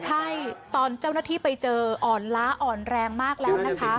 ใช่ตอนเจ้าหน้าที่ไปเจออ่อนล้าอ่อนแรงมากแล้วนะคะ